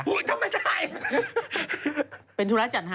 บอกว่าทำไมใช่